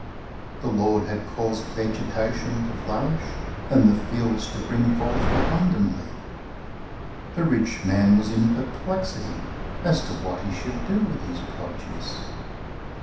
The Lord had caused vegetation to flourish, and the fields to bring forth abundantly. The rich man was in perplexity as to what he should do with his produce.